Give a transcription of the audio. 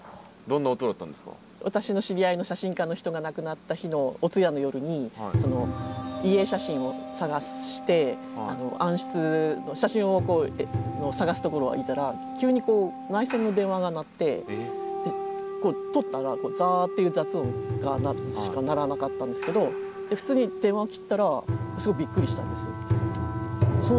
私の知り合いの写真家の人が亡くなった日のお通夜の夜に遺影写真を探して暗室写真を探すところにいたら急に内線の電話が鳴って取ったら「ザーッ」っていう雑音しか鳴らなかったんですけど普通に電話を切ったらすごいびっくりしたんですよ。